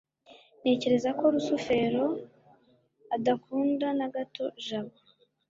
ntekereza ko rusufero adakunda na gato jabo